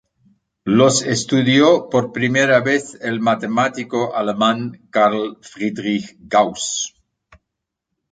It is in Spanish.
Los estudió por primera vez el matemático alemán Carl Friedrich Gauss.